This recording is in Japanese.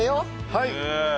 はい。